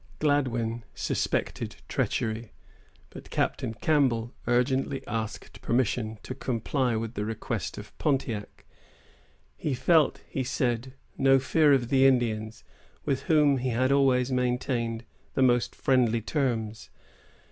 Gladwyn suspected treachery, but Captain Campbell urgently asked permission to comply with the request of Pontiac. He felt, he said, no fear of the Indians, with whom he had always maintained the most friendly terms.